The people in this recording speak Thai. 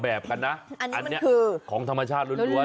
คลบทราบกันนะรึแลจ้ะของธรรมชาติล้วน